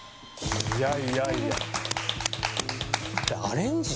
いやいやいや。